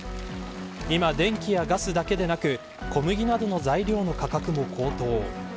今は電気やガスだけでなく小麦などの材料の価格も高騰。